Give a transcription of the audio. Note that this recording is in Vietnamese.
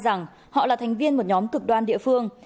rằng họ là thành viên một nhóm cực đoan địa phương